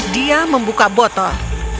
dia membuka botol